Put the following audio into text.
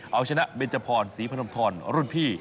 เอาชนะเบนเจอร์พรศีพธรรมธรรมรุ่นพี่